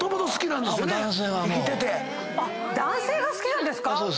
男性が好きなんですか？